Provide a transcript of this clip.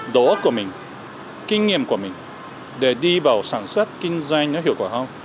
đối ức của mình kinh nghiệm của mình để đi vào sản xuất kinh doanh nó hiệu quả không